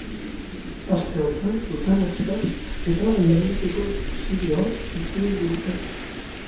Aste hontan eutanasiaz eta lagundutako suizidioaz hitz egin digute.